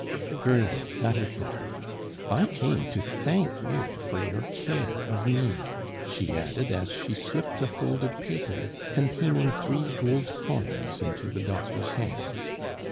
"Very well, that is settled. I came to thank you for your care of me," she added, as she slipped a folded paper containing three gold coins into the doctor's hands.